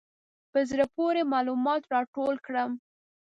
په زړه پورې معلومات راټول کړم.